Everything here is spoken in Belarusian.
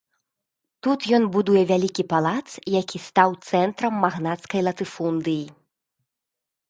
Тут ён будуе вялікі палац, які стаў цэнтрам магнацкай латыфундыі.